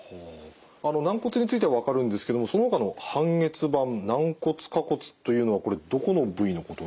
あの軟骨については分かるんですけどもそのほかの半月板軟骨下骨というのはこれどこの部位のことになりますか？